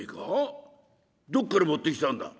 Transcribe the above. どっから持ってきたんだ？」。